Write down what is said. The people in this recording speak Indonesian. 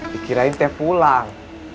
dikirain teh pulang